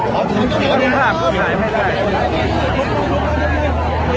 ขอบคุณมากนะคะแล้วก็แถวนี้ยังมีชาติของ